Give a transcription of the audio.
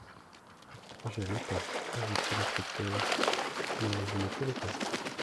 J'ai le temps, reprit l'inspecteur, mais je n'ai que le temps.